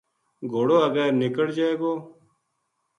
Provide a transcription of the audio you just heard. گھوڑو اگے نِکڑ جائے گو